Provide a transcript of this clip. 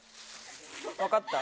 分かった？